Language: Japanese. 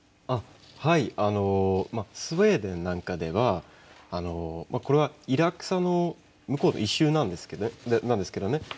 あっはいあのスウェーデンなんかではこれはイラクサの向こうの一種なんですけどね。